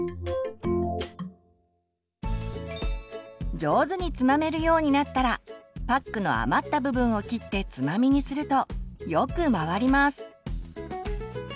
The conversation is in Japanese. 上手につまめるようになったらパックの余った部分を切ってつまみにするとよく回ります。